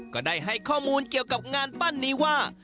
ก็ได้ให้ข้อมูลเกี่ยวกับงานปั้นนี้ว่า